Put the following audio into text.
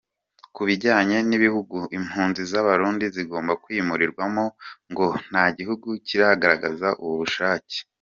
Ku bijyanye n’ibihugu impunzi z’Abarundi zigomba kwimurirwamo, ngo nta gihugu kiragaragaza ubushake.